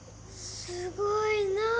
すごいなあ。